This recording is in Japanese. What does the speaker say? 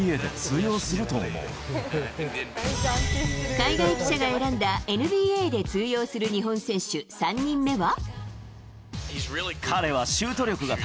海外記者が選んだＮＢＡで通用する日本選手、３人目は。